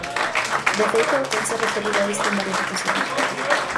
De feito, tense referido a isto en varias ocasións.